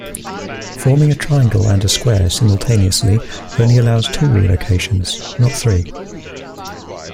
Forming a triangle and a square simultaneously only allows two relocations, not three.